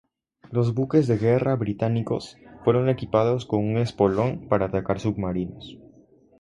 Los buques de guerra británicos fueron equipados con un espolón para atacar submarinos.